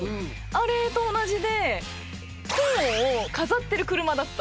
あれと同じでコーンを飾ってる車だった。